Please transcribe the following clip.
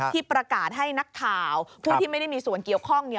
ที่ประกาศให้นักข่าวผู้ที่ไม่ได้มีส่วนเกี่ยวข้อง